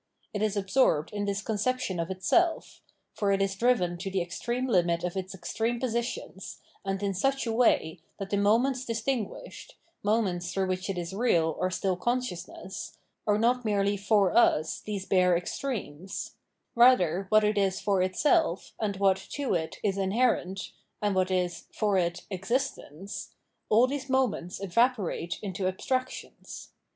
It is absorbed in this conception of itself ; for it is driven to the extreme limit of its extreme positions, and in such a way that the moments distinguished, moments through which it is real or stiU consciousness, are not merely for us these bare ex tremes; rather what it is for itself, and what, to it, is inherent, and what is, for it, existence — all these moments evaporate into abstractions.